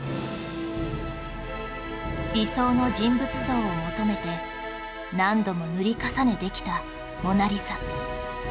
理想の人物像を求めて何度も塗り重ねできた『モナ・リザ』